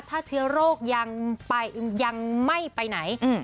ถ้าเชื้อโรคยังไม่ไปไหน